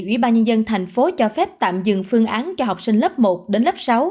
ủy ban nhân dân thành phố cho phép tạm dừng phương án cho học sinh lớp một đến lớp sáu